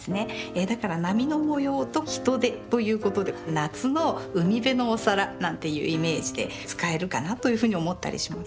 だから波の模様とヒトデということで夏の海辺のお皿なんていうイメージで使えるかなというふうに思ったりします。